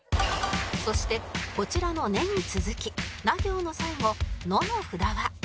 そしてこちらの「ね」に続きな行の最後「の」の札は